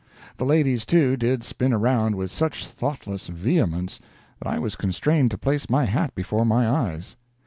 The ladies, too, did spin around with such thoughtless vehemence that I was constrained to place my hat before my eyes.